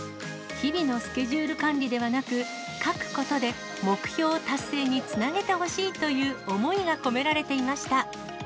日々のスケジュール管理ではなく、書くことで目標達成につなげてほしいという思いが込められていました。